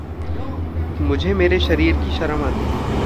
मुझे मेरे शरीर की शरम आती है।